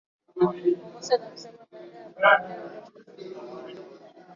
ukosa la kusema baada ya matokeo ya uchaguzi huko zanzibar